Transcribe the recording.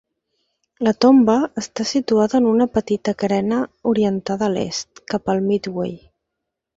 La tomba està situada en una petita carena orientada a l'est, cap al Medway.